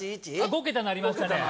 ５桁なりましたね